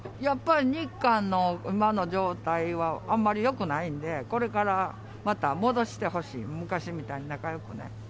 やっぱり、日韓の今の状態はあんまりよくないんで、これからまた戻してほしい、昔みたいに仲よくね。